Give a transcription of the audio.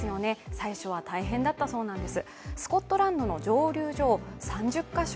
最初は大変だったそうなんです。